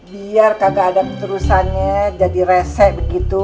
biar kagak ada keterusannya jadi rese begitu